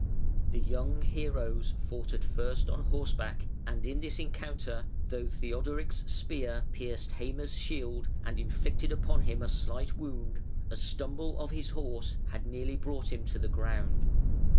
The young heroes fought at first on horseback, and in this encounter, though Theodoric's spear pierced Heime's shield and inflicted upon him a slight wound, a stumble of his horse had nearly brought him to the ground.